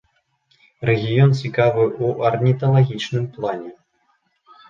Рэгіён цікавы ў арніталагічным плане.